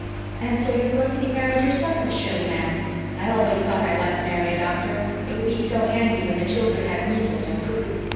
And so you're going to be married yourself, Miss Shirley, ma'am? I always thought I'd like to marry a doctor. It would be so handy when the children had measles and croup.